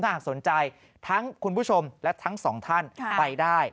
หากสนใจทั้งคุณผู้ชมและทั้งสองท่านไปได้